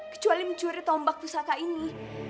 kecuali mencuri tombak pusaka ini